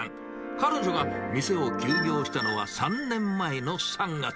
彼女が店を休業したのは３年前の３月。